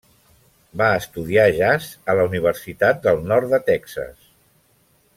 Va estudiar jazz a la Universitat del nord de Texas.